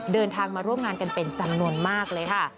เดินทางมาร่วมงานกันเป็นจำนวนมากเลยค่ะ